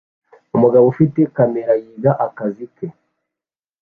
Umugabo ufite kamera yiga akazi ke